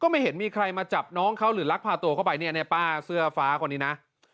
ไม่เห็นมีใครมาจับน้องเขาหรือลักพาตัวเข้าไปเนี่ยป้าเสื้อฟ้าคนนี้นะ